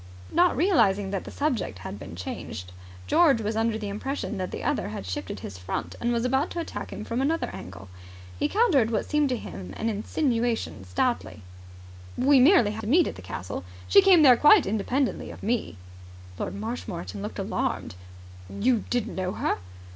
Not realizing that the subject had been changed, George was under the impression that the other had shifted his front and was about to attack him from another angle. He countered what seemed to him an insinuation stoutly. "We merely happened to meet at the castle. She came there quite independently of me." Lord Marshmoreton looked alarmed. "You didn't know her?"